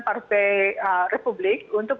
partai republik untuk